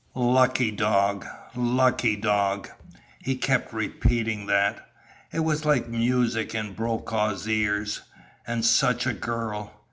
"Lucky dog! Lucky dog!" He kept repeating that. It was like music in Brokaw's ears. And such a girl!